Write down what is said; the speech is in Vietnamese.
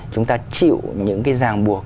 chúng ta chịu những cái giàng buộc